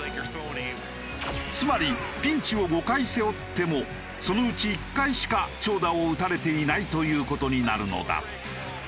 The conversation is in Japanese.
つまりピンチを５回背負ってもそのうち１回しか長打を打たれていないという事になるのだ。